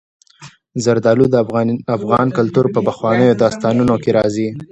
زردالو د افغان کلتور په پخوانیو داستانونو کې راځي.